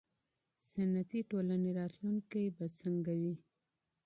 صنعتي ټولنې راتلونکی به څنګه وي.